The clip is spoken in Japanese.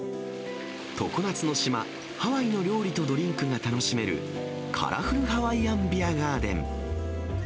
常夏の島、ハワイの料理とドリンクが楽しめる、カラフルハワイアンビアガーデン。